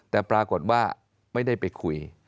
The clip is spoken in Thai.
แต่ปรากฏว่าไม่ได้ไปคุย